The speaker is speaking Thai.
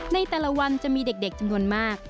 ในแต่ละวันจะมีเด็กจำนวนมาก